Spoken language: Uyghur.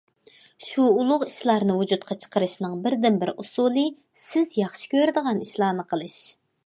شۇ ئۇلۇغ ئىشلارنى ۋۇجۇدقا چىقىرىشنىڭ بىردىنبىر ئۇسۇلى سىز ياخشى كۆرىدىغان ئىشلارنى قىلىش.